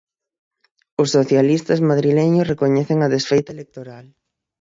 Os socialistas madrileños recoñecen a desfeita electoral...